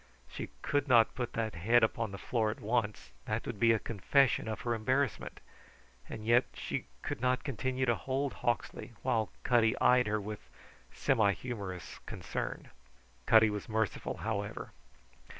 She could not put that head upon the floor at once; that would be a confession of her embarrassment; and yet she could not continue to hold Hawksley while Cutty eyed her with semi humorous concern. Cutty was merciful, however.